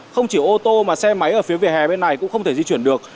không chỉ ô tô mà xe máy ở phía vỉa hè bên này cũng không thể di chuyển được